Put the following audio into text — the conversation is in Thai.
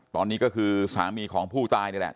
ตอนนี้ก็คือสามีของผู้ตายนี่แหละ